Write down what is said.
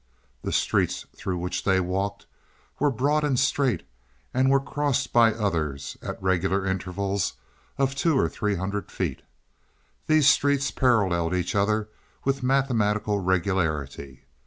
The streets through which they walked were broad and straight, and were crossed by others at regular intervals of two or three hundred feet. These streets paralleled each other with mathematical regularity.